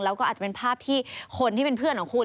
แล้วก็อาจจะเป็นภาพที่คนที่เป็นเพื่อนของคุณ